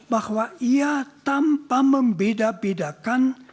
bahwa ia tanpa membeda bedakan